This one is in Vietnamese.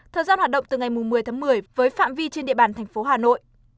thời gian hoạt động từ ngày một mươi tháng một mươi với phạm vi trên địa bàn thành phố hà nội